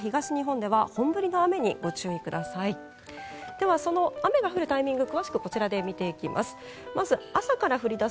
では、雨が降るタイミングを詳しくこちらで見ていきます。